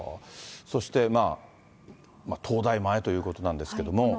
そして、東大前ということなんですけども。